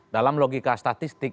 dalam logika statistik